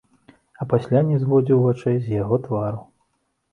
А пасля не зводзіў вачэй з яго твару.